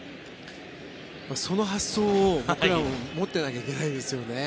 その発想を僕らも持ってなきゃいけないですよね。